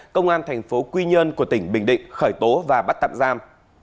công an thành phố quy nhơn của tỉnh bình định khởi tố và bắt tạm giam